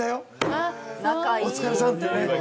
お疲れさんってね。